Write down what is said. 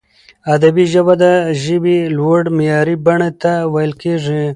ادبي ژبه د ژبي لوړي معیاري بڼي ته ویل کیږي.